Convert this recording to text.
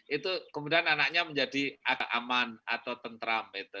itu kemudian anaknya menjadi aman atau tentram gitu